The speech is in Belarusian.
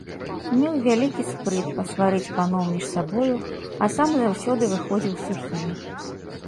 Меў вялікі спрыт пасварыць паноў між сабою, а сам заўсёды выходзіў сухім.